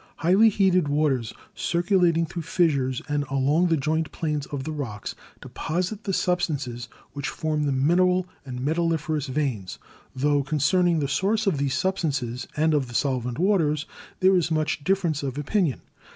"Highly heated waters circulating through fissures and along the joint planes of the rocks deposit the substances which form the mineral and metalliferous veins, tho con cerning the source of these substances and of the solvent waters there is much difference of opinion.